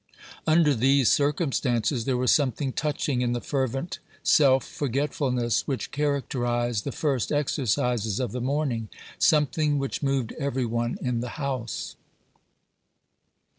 Under these circumstances there was something touching in the fervent self forgetfulness which characterized the first exercises of the morning something which moved every one in the house.